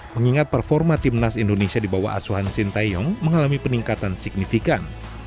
mengingat performa timnas indonesia di bawah asuhan sintayong mengalami peningkatan signifikan